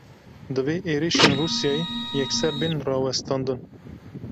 Divê êrişên Rûsyayê yekser bên rawestandin.